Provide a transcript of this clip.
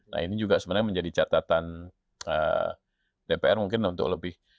nah ini juga sebenarnya menjadi catatan dpr mungkin untuk lebih